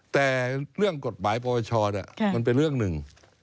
แต่เรื่องกฎหมายปวชมันเป็นเรื่องหนึ่ง